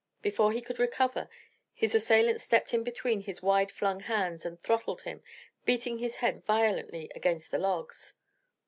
Before he could recover, his assailant stepped in between his wide flung hands and throttled him, beating his head violently against the logs.